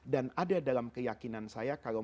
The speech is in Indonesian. dan ada dalam keyakinan saya kalau mereka adalah orang orang